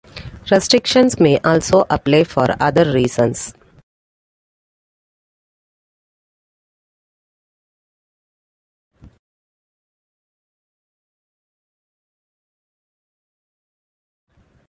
Restrictions may also apply for other reasons.